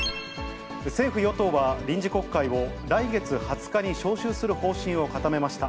政府・与党は、臨時国会を来月２０日に召集する方針を固めました。